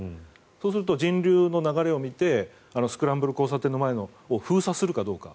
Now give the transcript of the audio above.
そうすると人流の流れを見てスクランブル交差点の前を封鎖するかどうか。